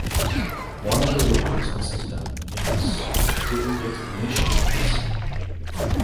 One of the ways this is done is through it missions.